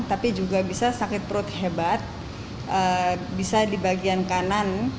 tapi juga bisa sakit perut hebat bisa di bagian kanan